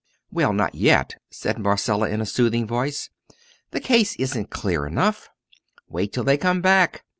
"Well, not yet," said Marcella, in a soothing voice; "the case isn't clear enough. Wait till they come back.